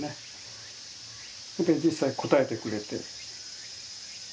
それで実際応えてくれて。